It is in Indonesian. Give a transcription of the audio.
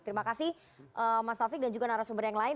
terima kasih mas taufik dan juga narasumber yang lain